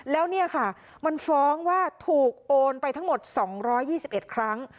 แล้วเนี่ยค่ะมันฟ้องว่าถูกโอนไปทั้งหมด๒๒๑ครั้ง